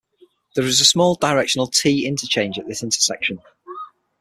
There is a small directional T interchange at this intersection.